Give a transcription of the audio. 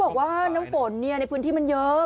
บอกว่าน้ำฝนในพื้นที่มันเยอะ